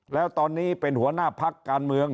แล้วตอนนี้เป็นหัวหน้าพักการเมือง